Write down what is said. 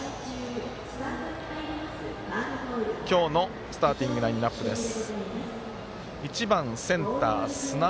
今日のスターティングラインアップです。